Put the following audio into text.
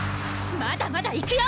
まだまだいくよ！